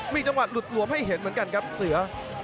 มีจังหวะหลุดหลวมให้เห็นเหมือนกันครับเสือ